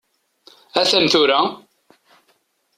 A-t-an tura!